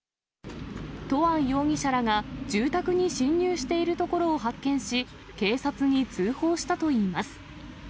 トアン容疑者らが住宅に侵入しているところを発見し、警察に通報したといいます。